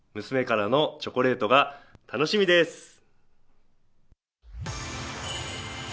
娘からのチョコレートが楽しみです。